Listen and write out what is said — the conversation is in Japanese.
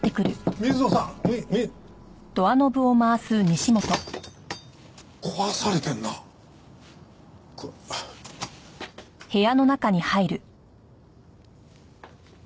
水野さん？み。